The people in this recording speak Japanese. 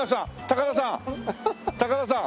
高田さん！